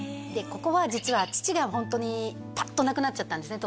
ここは実は父がホントにパッと亡くなっちゃったんですね